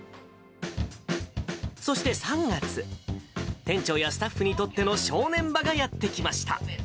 そして３月、店長やスタッフにとっての正念場がやって来ました。